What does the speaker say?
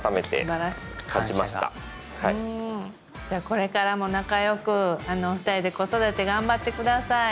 これからも仲よく２人で子育て頑張ってください。